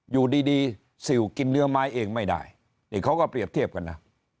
อยู่ดีสิวกินเนื้อไม้เองไม่ได้นี่เขาก็เปรียบเทียบกันนะ